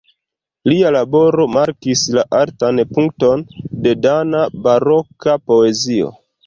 Lia laboro markis la altan punkton de dana baroka poezio.